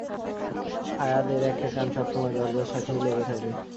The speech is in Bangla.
আয়াদের একটা কান সবসময় দরজার সাথেই লেগে থাকে!